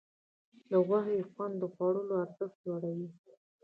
د غوښې خوند د خوړو ارزښت لوړوي.